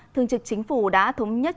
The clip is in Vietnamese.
thường trực chính phủ đã thống nhất